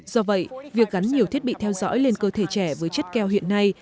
do vậy việc gắn nhiều thiết bị theo dõi lên cơ thể trẻ với chất keo hiện nay